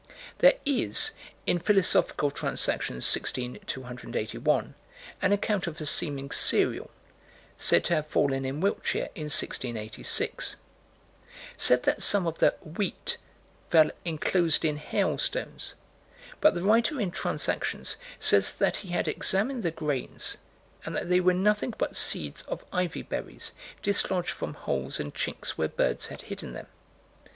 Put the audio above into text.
There is, in Philosophical Transactions, 16 281, an account of a seeming cereal, said to have fallen in Wiltshire, in 1686 said that some of the "wheat" fell "enclosed in hailstones" but the writer in Transactions, says that he had examined the grains, and that they were nothing but seeds of ivy berries dislodged from holes and chinks where birds had hidden them.